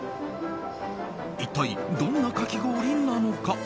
一体どんなかき氷なのか？